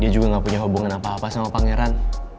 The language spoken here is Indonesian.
dia juga gak punya hubungan apa apa sama pangeran